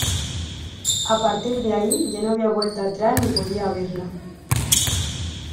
A partir de ahí ya no había vuelta atrás ni podía haberla.